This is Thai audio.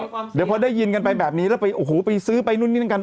เดี๋ยวพอได้ยินกันไปแบบนี้แล้วไปโอ้โหไปซื้อไปนู่นนี่นั่นกัน